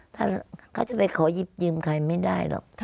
ถ้าเขาจะไปขอหยิบยืมใครไม่ได้หรอก